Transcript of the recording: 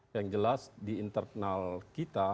yang jelas di internal kita